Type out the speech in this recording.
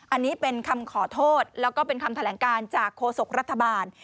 อันนี้เป็นคำขอโทษแล้วก็เป็นคำแถลงการจากโฆษกรัฐบาล